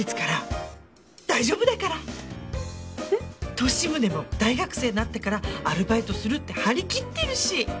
利宗も大学生になったからアルバイトするって張り切ってるし。